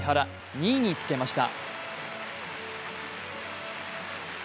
２位につけました。